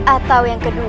atau yang kedua